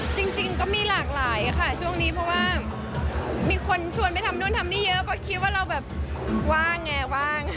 จริงก็มีหลากหลายค่ะช่วงนี้เพราะว่ามีคนชวนไปทำนู่นทำนี่เยอะเพราะคิดว่าเราแบบว่างไงว่าง